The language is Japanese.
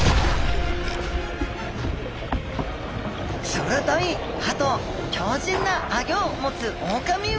鋭い歯と強じんなアギョを持つオオカミウオちゃん。